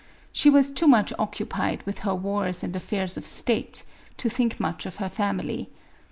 She was too much occupied with her wars and affairs of state, to think much of her fam ily.